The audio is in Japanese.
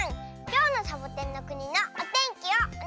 きょうのサボテンのくにのおてんきをおねがいします。